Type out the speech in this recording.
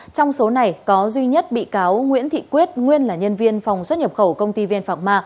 trong số này có duy nhất bị cáo nguyễn thị quyết nguyên là nhân viên phòng xuất nhập khẩu công ty vn phạc ma